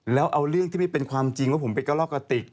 แล้วเอาเรื่องที่ไม่เป็นความจริงว่าผมไปกระลอกกระติก